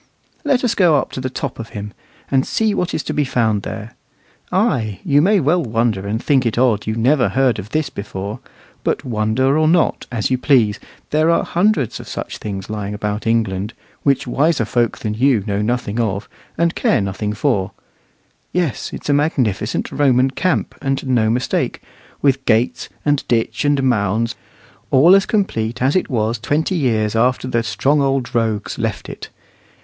Let us go up to the top of him, and see what is to be found there. Ay, you may well wonder and think it odd you never heard of this before; but wonder or not, as you please, there are hundreds of such things lying about England, which wiser folk than you know nothing of, and care nothing for. Yes, it's a magnificent Roman camp, and no mistake, with gates and ditch and mounds, all as complete as it was twenty years after the strong old rogues left it.